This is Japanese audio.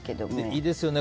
いいですよね